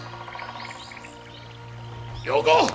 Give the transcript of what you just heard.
良子！